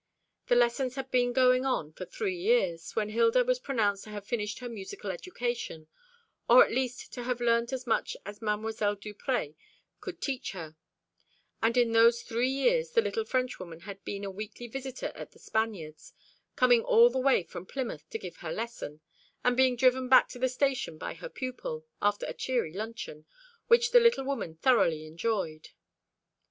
The lessons had been going on for three years, when Hilda was pronounced to have finished her musical education, or at least to have learnt as much as Mademoiselle Duprez could teach her, and in those three years the little Frenchwoman had been a weekly visitor at The Spaniards, coming all the way from Plymouth to give her lesson, and being driven back to the station by her pupil, after a cheery luncheon, which the little woman thoroughly enjoyed.